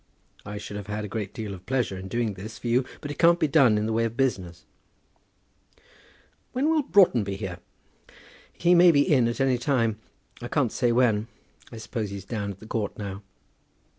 I should have had a great deal of pleasure in doing this for you, but it can't be done in the way of business." "When will Broughton be here?" "He may be in at any time; I can't say when. I suppose he's down at the court now."